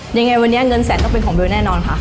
ยังไงวันนี้เงินแสนต้องเป็นของเบลแน่นอนค่ะ